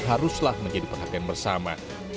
haruslah menjadi perhatian bersama